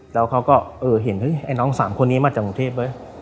แล้วเขาก็เห็นไอ้น้อง๓คนนี้มาจากกรุงเทพเว้ย